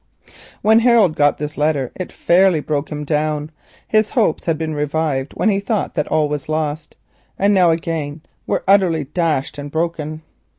When Harold got this letter it fairly broke him down. His hopes had been revived when he thought that all was lost, and now again they were utterly dashed and broken.